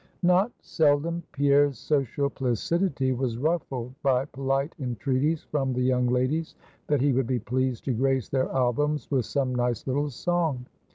Not seldom Pierre's social placidity was ruffled by polite entreaties from the young ladies that he would be pleased to grace their Albums with some nice little song.